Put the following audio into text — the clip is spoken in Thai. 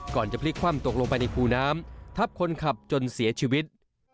จะพลิกคว่ำตกลงไปในคูน้ำทับคนขับจนเสียชีวิต